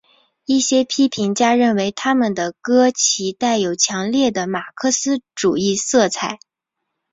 一些批评家认为他们的歌其带有强烈的马克思主义色彩。